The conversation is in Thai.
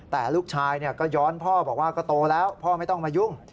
แต่ลูกชายก็ย้อนพ่อบอกว่าก็โตแล้วพ่อไม่ต้องมายุ่ง